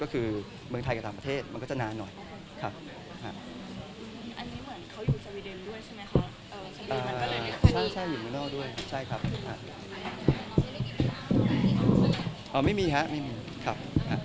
พื้นเหมือนเค้าอยู่สวิเลมด้วยใช่ไหมครับ